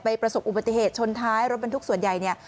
ประสบอุบัติเหตุชนท้ายรถบรรทุกส่วนใหญ่เนี่ย